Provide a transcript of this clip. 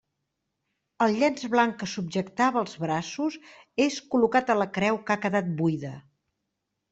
El llenç blanc que subjectava els braços és col·locat a la creu que ha quedat buida.